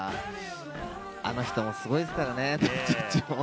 あの人もすごいですからね、ドンチッチも。